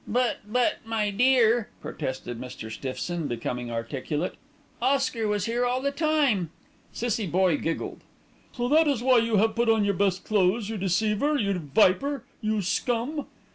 "But but, my dear," protested Mr. Stiffson, becoming articulate, "Oscar was here all the time." Cissie Boye giggled. "So that is why you have put on your best clothes, you deceiver, you viper, you scum!"